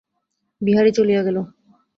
বিহারী চলিয়া গেল।